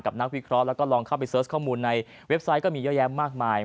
นักวิเคราะห์แล้วก็ลองเข้าไปเสิร์ชข้อมูลในเว็บไซต์ก็มีเยอะแยะมากมาย